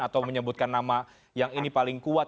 atau menyebutkan nama yang ini paling kuat